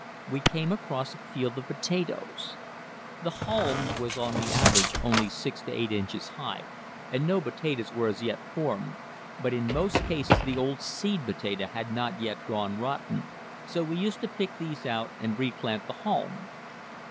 We came across a field of potatoes. The haulm was on the average only 6 to 8 inches high, and no potatoes were as yet formed; but in most cases the old seed potato had not yet gone rotten, so we used to pick these out and replant the haulm.